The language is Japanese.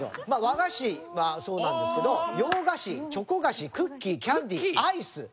まあ和菓子はそうなんですけど洋菓子チョコ菓子クッキーキャンディーアイス。